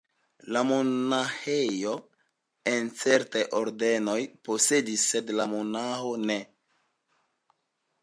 La monaĥejo, en certaj ordenoj, posedis, sed la monaĥo ne.